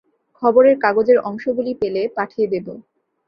খবরের কাগজের অংশগুলি পেলে পাঠিয়ে দেব।